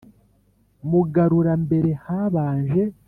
mugarura, mbere habanje